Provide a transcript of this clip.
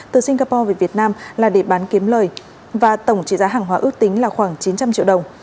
từ singapore về việt nam là để bán kiếm lời và tổng trị giá hàng hóa ước tính là khoảng chín trăm linh triệu đồng